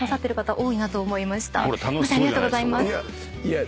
ありがとうございます。